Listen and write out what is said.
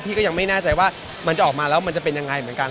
ก็ยังไม่แน่ใจว่ามันจะออกมาแล้วมันจะเป็นยังไงเหมือนกัน